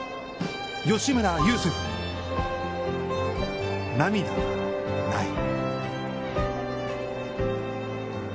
吉村優聖歩に、涙はない。